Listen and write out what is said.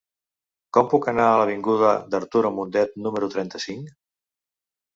Com puc anar a l'avinguda d'Arturo Mundet número trenta-cinc?